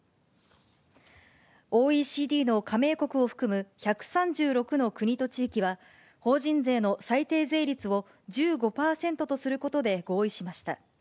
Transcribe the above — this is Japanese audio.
ＯＥＣＤの加盟国を含む１３６の国と地域は、法人税の最低税率を１５％とすることで合意しました。